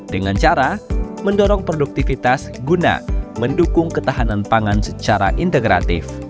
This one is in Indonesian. dengan cara mendorong produktivitas guna mendukung ketahanan pangan secara integratif